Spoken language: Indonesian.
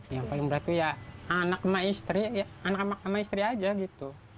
yang paling berat itu ya anak sama istri ya anak anak sama istri aja gitu